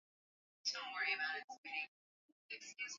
tisini hadi mwaka elfu moja mia tatu ishirini na tanoKubwa kati ya maeneo